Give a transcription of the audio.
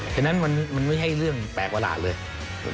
ดังนั้นมันไม่ใช่เรื่องแปลกละเลย